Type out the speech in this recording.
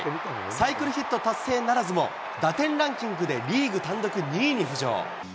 サイクルヒット達成ならずも打点ランキングでリーグ単独２位に浮上。